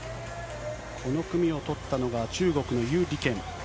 この組を取ったのが中国の兪李ケン。